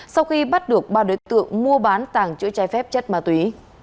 sau khi bắt được ba đối tượng mua bán tàng chữ trái phép chất ma túy